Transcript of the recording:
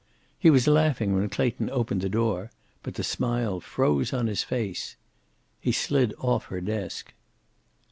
He was laughing when Clayton opened the door, but the smile froze on his face. He slid off her desk.